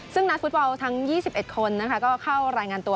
ซึ่งนักฟุตบอลทั้ง๒๑คนก็เข้ารายงานตัว